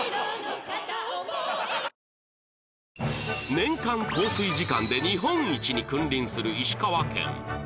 年間降水時間で日本一に君臨する石川県